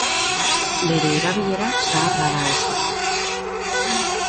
Bere erabilera zaharra da oso.